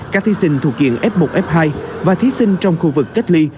các thí sinh thuộc diện f một f hai và thí sinh trong khu vực cách ly